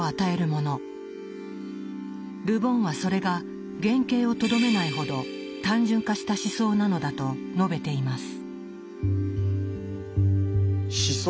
ル・ボンはそれが原形をとどめないほど単純化した思想なのだと述べています。